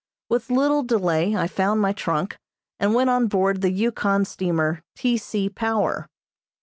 With little delay I found my trunk and went on board the Yukon steamer T. C. Power.